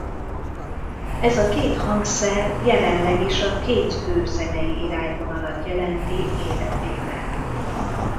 Ez a két hangszer jelenleg is a két fő zenei irányvonalat jelenti életében.